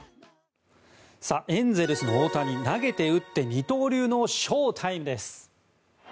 エンゼルスの大谷投げて打って二刀流のショウタイムです。